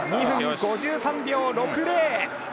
２分５３秒６０。